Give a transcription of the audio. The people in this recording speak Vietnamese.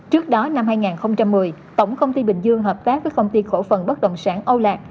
trước đó năm hai nghìn một mươi tổng công ty bình dương hợp tác với công ty cổ phần bất động sản âu lạc